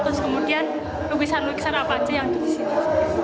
terus kemudian lukisan lukisan apa saja yang di sini